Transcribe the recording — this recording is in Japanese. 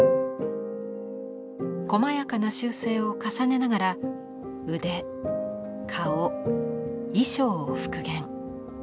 こまやかな修正を重ねながら腕顔衣装を復元。